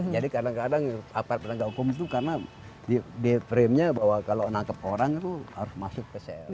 jadi kadang kadang apa yang menanggalkan hukum itu karena di frame nya bahwa kalau menangkap orang itu harus masuk ke sel